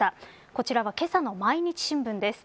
こちらは、けさの毎日新聞です。